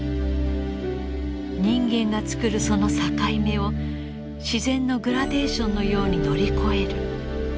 人間が作るその境目を自然のグラデーションのように乗り越える。